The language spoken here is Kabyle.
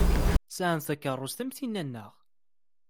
Sɛan takeṛṛust am tinna-nneɣ.